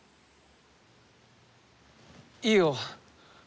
いいよ！